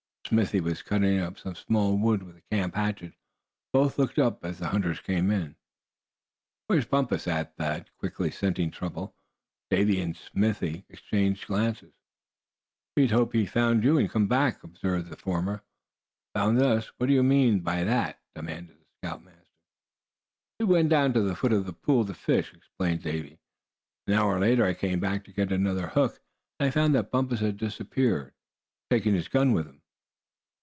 Smithy was cutting up some small wood with the camp hatchet. Both looked up as the hunters came in. "Where's Bumpus?" asked Thad, quickly scenting trouble. Davy and Smithy exchanged glances. "We hoped he'd found you, and come back," observed the former. "Found us? What do you mean by that?" demanded the scoutmaster. "We went down to the foot of the pool to fish," explained Davy. "An hour later I came back to get another hook, and I found that Bumpus had disappeared, taking his gun with him."